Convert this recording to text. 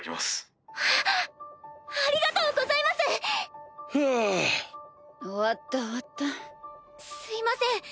すいません。